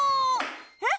えっ？